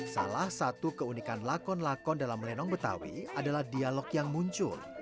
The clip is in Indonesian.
salah satu keunikan lakon lakon dalam lenong betawi adalah dialog yang muncul